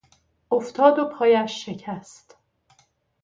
افتاد و پایش شکست.